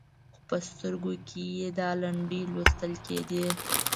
خو په سترګو کې یې دا لنډۍ لوستل کېدې.